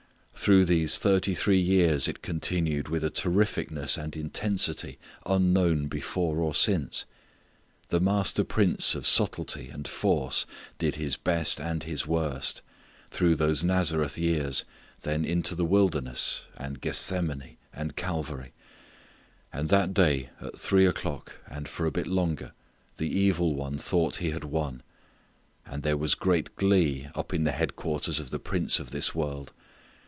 Through those thirty three years it continued with a terrificness and intensity unknown before or since. The master prince of subtlety and force did his best and his worst, through those Nazareth years, then into the wilderness, and Gethsemane and Calvary. And that day at three o'clock and for a bit longer the evil one thought he had won. And there was great glee up in the headquarters of the prince of this world.